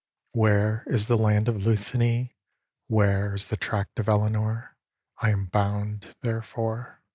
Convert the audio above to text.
Where is the land of Luthany, Where is the tract of Elenore? I am bound therefor.